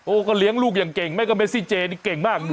ก็เลี้ยงลูกอย่างเก่งแม่ก็เมซี่เจนี่เก่งมาก